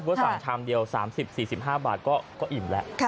สั่งชามเดียว๓๐๔๕บาทก็อิ่มแล้ว